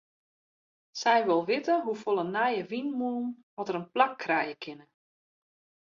Sy wol witte hoefolle nije wynmûnen oft dêr in plak krije kinne.